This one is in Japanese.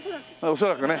恐らくね。